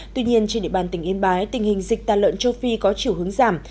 tuy nhiên trên địa bàn tỉnh yên bái tình hình dịch tà lợn châu phi có chiều hướng giảm